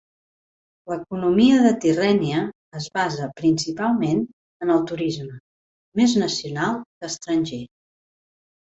L'economia de Tirrènia es basa principalment en el turisme, més nacional que estranger.